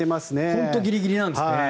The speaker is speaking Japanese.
本当にギリギリですね。